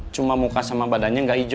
cuma muka sama badannya nggak hijau